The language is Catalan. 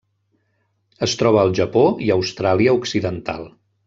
Es troba al Japó i Austràlia Occidental.